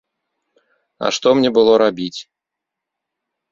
А што мне было рабіць?